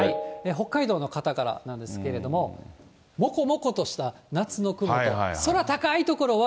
北海道の方からなんですけれども、もこもことした夏の雲と、空高い所は、